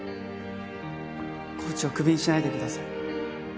コーチをクビにしないでください。